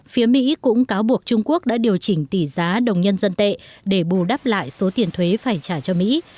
phía mỹ cũng cáo buộc trung quốc đã điều chỉnh tỷ giá đồng nhân dân tệ để bù đắp lại số tiền thuế phải trả cho mỹ